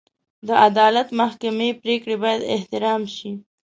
د عدالت محکمې پرېکړې باید احترام شي.